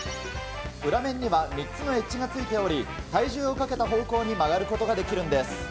裏面には３つのエッジがついており、体重をかけた方向に曲がることができるんです。